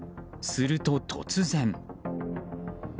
すると、突然。